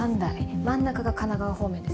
真ん中が神奈川方面です。